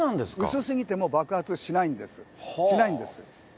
薄すぎても爆発しないんです、しないんです。